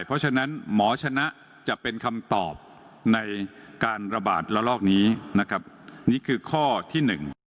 เพราะฉะนั้นหมอชนะจะเป็นคำตอบในการระบาดระลอกนี้นะครับนี่คือข้อที่หนึ่ง